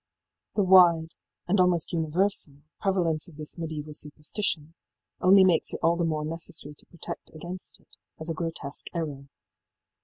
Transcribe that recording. The wide, and almost universal, prevalence of this mediaeval superstition only makes it all the more necessary to protest against it as a grotesque error....